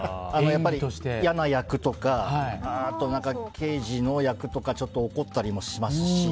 嫌な役とか、あと刑事の役とかちょっと怒ったりもしますし。